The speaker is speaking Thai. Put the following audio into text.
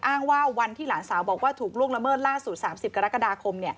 อ้างว่าวันที่หลานสาวบอกว่าถูกล่วงละเมิดล่าสุด๓๐กรกฎาคม